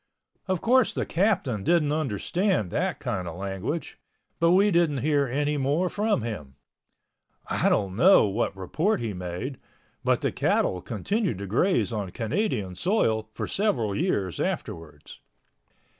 Of course the Captain didn't understand that kind of language. But we didn't hear anymore from him. I don't know what report he made—but the cattle continued to graze on Canadian soil for several years afterwards.